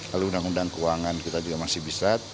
lalu undang undang keuangan kita juga masih bisa